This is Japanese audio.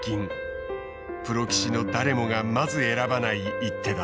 プロ棋士の誰もがまず選ばない一手だった。